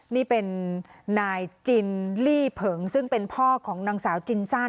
นี่เป็นนายจินลี่เผิงซึ่งเป็นพ่อของนางสาวจินซ่า